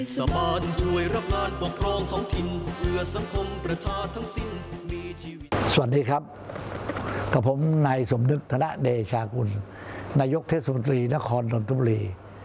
สวัสดีครับกับผมนายสมนึกธนเดชากุลนายกเทศมนตรีนครดนทบุรี